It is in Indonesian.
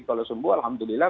kalau sembuh alhamdulillah